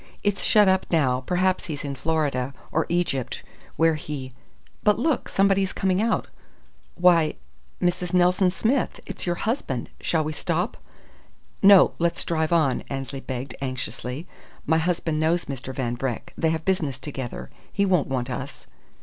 It's shut up now; perhaps he's in Florida, or Egypt, where he but look, somebody's coming out why, Mrs. Nelson Smith, it's your husband! Shall we stop " "No, let's drive on," Annesley begged, anxiously. "My husband knows Mr. Van Vreck. They have business together. He won't want us."